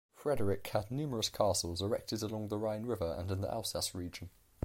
Frederick had numerous castles erected along the Rhine river and in the Alsace region.